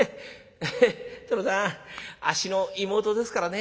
殿さんあっしの妹ですからね